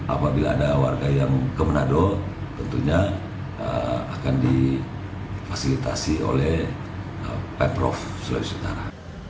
apabila ada warga yang ke menado tentunya akan difasilitasi oleh pemprov sulawesi utara